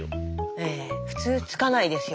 ええ普通つかないですよ。